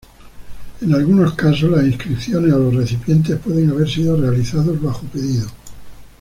En algunos casos, las inscripciones o los recipientes pueden haber sido realizados bajo pedido.